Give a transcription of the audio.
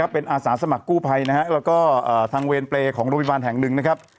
เป็นอาสาสมัครกู้ภัยนะฮะแล้วก็ทางเวรเปรย์ของโรงพยาบาลแห่งหนึ่งนะครับ